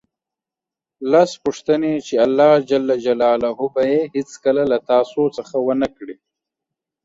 لس پوښتنې چې الله ج به یې هېڅکله له تاسو څخه ونه کړي